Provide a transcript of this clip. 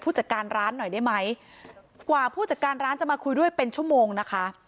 จัดการร้านหน่อยได้ไหมกว่าผู้จัดการร้านจะมาคุยด้วยเป็นชั่วโมงนะคะ